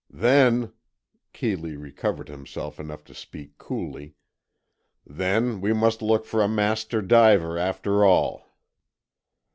"Then," Keeley recovered himself enough to speak coolly, "then, we must look for a master diver, after all."